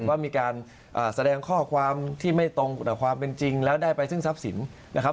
ว่ามีการแสดงข้อความที่ไม่ตรงกับความเป็นจริงแล้วได้ไปซึ่งทรัพย์สินนะครับ